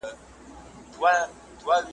چي به ما یې رابللی ته به زما سره خپلېږي .